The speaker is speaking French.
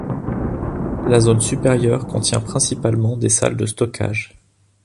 La zone supérieure contient principalement des salles de stockage.